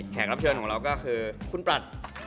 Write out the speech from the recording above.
รับเชิญของเราก็คือคุณปรัช